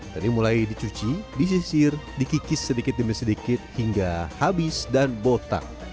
dari mulai dicuci disisir dikikis sedikit demi sedikit hingga habis dan botak